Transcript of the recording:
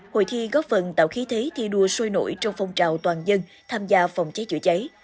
hội thi góp phần tạo khí thế thi đua sôi nổi trong phong trào toàn dân tham gia phòng cháy chữa cháy